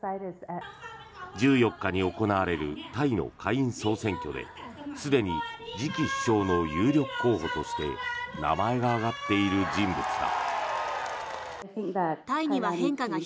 １４日に行われるタイの下院総選挙ですでに次期首相の有力候補として名前が挙がっている人物だ。